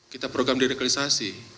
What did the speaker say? kita program diradikalisasi